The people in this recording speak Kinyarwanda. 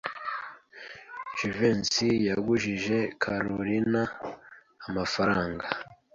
Jivency yagujije Kalorina amafaranga.